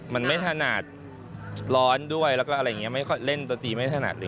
มันไม่ถนัดร้อนด้วยแล้วก็อะไรอย่างนี้ไม่ค่อยเล่นดนตรีไม่ถนัดเลย